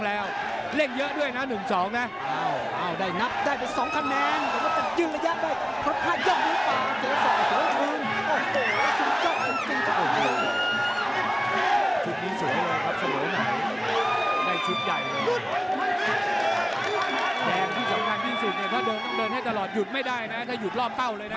แรงที่สำคัญที่สุดเนี่ยถ้าโดนต้องเดินให้ตลอดหยุดไม่ได้นะถ้าหยุดรอบเต้าเลยนะ